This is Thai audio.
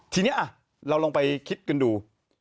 ทีนี้เราลองไปคิดกันดู